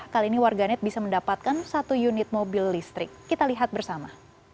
kali ini warganet bisa mendapatkan satu unit mobil listrik kita lihat bersama